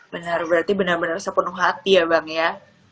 benar berarti benar benar sepenuh hati ya bang ya